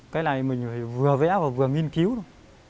cái này mình vừa vẽ và vừa nghiên cứu